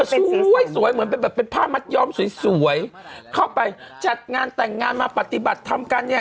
สวยสวยเหมือนเป็นแบบเป็นผ้ามัดย้อมสวยเข้าไปจัดงานแต่งงานมาปฏิบัติทำกันเนี่ย